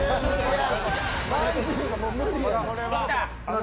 まんじゅうがもう無理や。